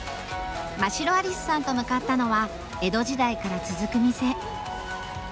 眞白ありすさんと向かったのは江戸時代から続く店。